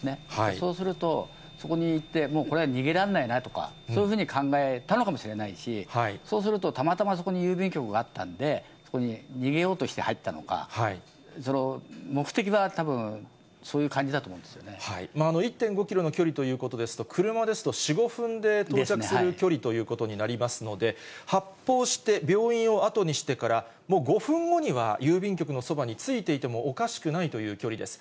そうすると、そこに行って、もうこれは逃げらんないなとか、そういうふうに考えたのかもしれないし、そうすると、たまたまそこに郵便局があったんで、そこに逃げようとして入ったのか、目的はたぶん、１．５キロの距離ということですと、車ですと、４、５分で到着する距離ということになりますので、発砲して病院を後にしてからもう５分後には郵便局のそばについていてもおかしくないという距離です。